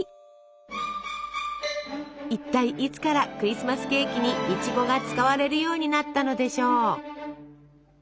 いったいいつからクリスマスケーキにいちごが使われるようになったのでしょう？